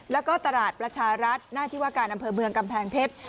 และก็ตลาดปรัชารัฐหน้าที่วะกาลดกำแพงเพชร